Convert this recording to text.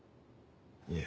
いえ。